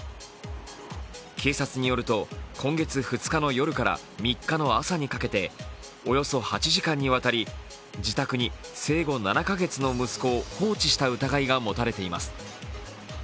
警察によると、今月２日の夜から３日の朝にかけておよそ８時間にわたり自宅に生後７カ月の息子を放置した疑いが持たれています。